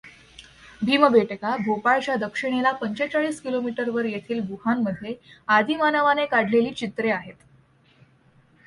भीमबेटका भोपाळच्या दक्षिणेला पंचेचाळीस किलोमीटरवर येथील गुहांमध्ये आदिमानवाने काढलेली चित्रे आहेत.